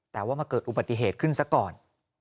แต่ว่ามาเกิดอุบัติเหตุขึ้นซะก่อน